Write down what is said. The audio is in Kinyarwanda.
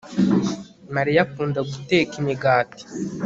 Mariya akunda guteka imigati